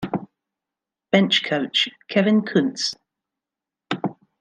Bench Coach: Kevin Kuntz.